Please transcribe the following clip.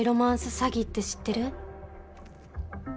詐欺って知ってる？